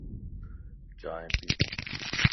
چائين پي